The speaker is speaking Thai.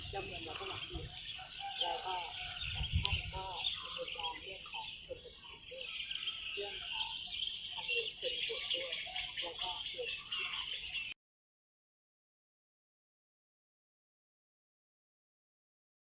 เชื่อมของทางเดินเชิงดูดเธอและก็เชิงที่ทางเดิน